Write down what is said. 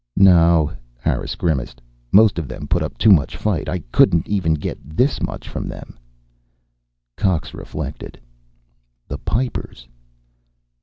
"No." Harris grimaced. "Most of them put up too much fight. I couldn't even get this much from them." Cox reflected. "The Pipers.